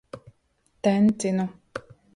Tencinu.